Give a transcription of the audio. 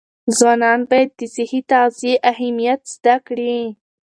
ځوانان باید د صحي تغذیې اهمیت زده کړي.